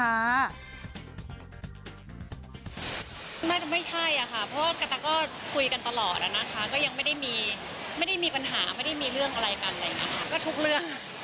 น่าจะไม่ใช่อะค่ะเพราะว่ากระตะก็คุยกันตลอดแล้วนะคะก็ยังไม่ได้มีไม่ได้มีปัญหาไม่ได้มีเรื่องอะไรกันอะไรอย่างนี้ค่ะก็ทุกเรื่อง